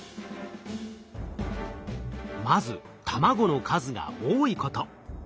まず卵の数が多いこと。